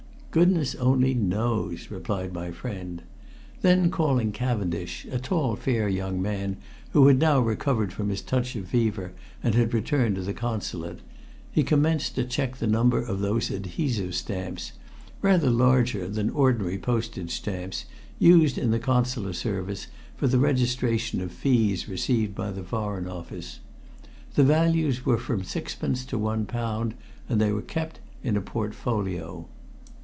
"Goodness only knows," replied my friend. Then, calling Cavendish, a tall, fair young man, who had now recovered from his touch of fever and had returned to the Consulate, he commenced to check the number of those adhesive stamps, rather larger than ordinary postage stamps, used in the Consular service for the registration of fees received by the Foreign Office. The values were from sixpence to one pound, and they were kept in a portfolio.